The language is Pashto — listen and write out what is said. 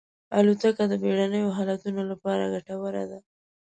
الوتکه د بېړنیو حالتونو لپاره ګټوره ده.